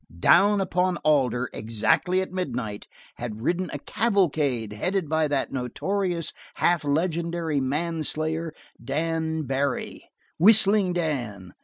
Down upon Alder, exactly at midnight, had ridden a cavalcade headed by that notorious, half legendary man slayer, Dan Barry Whistling Dan.